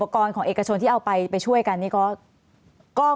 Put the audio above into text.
กรของเอกชนที่เอาไปช่วยกันนี่ก็